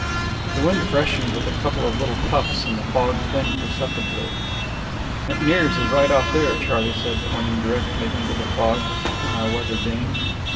The wind freshened with a couple of little puffs, and the fog thinned perceptibly. "McNear's is right off there," Charley said, pointing directly into the fog on our weather beam.